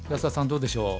どうでしょう？